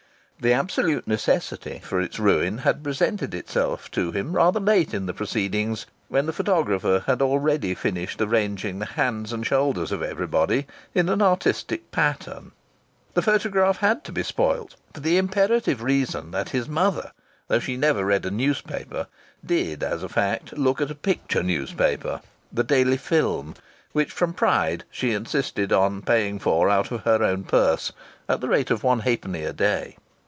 The absolute necessity for its ruin had presented itself to him rather late in the proceedings, when the photographer had already finished arranging the hands and shoulders of everybody in an artistic pattern. The photograph had to be spoilt for the imperative reason that his mother, though she never read a newspaper, did as a fact look at a picture newspaper, The Daily Film, which from pride she insisted on paying for out of her own purse, at the rate of one halfpenny a day.